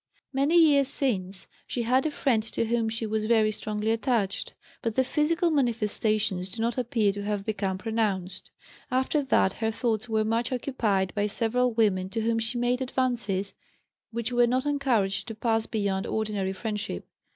Many years since she had a friend to whom she was very strongly attached, but the physical manifestations do not appear to have become pronounced. After that her thoughts were much occupied by several women to whom she made advances, which were not encouraged to pass beyond ordinary friendship.